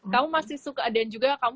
kamu masih suka adan juga kamu